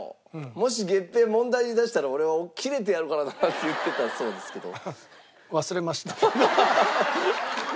もし月餅問題に出したら俺はキレてやるからな！」って言ってたそうですけど。